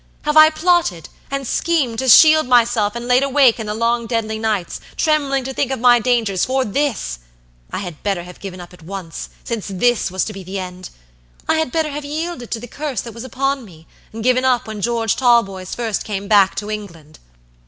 Have I plotted and schemed to shield myself and laid awake in the long deadly nights, trembling to think of my dangers, for this? I had better have given up at once, since this was to be the end. I had better have yielded to the curse that was upon me, and given up when George Talboys first came back to England."